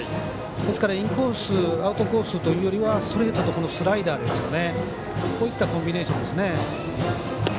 ですからインコースアウトコースというよりはストレートとスライダーこういったコンビネーションですよね。